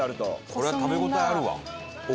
これは食べ応えあるわ！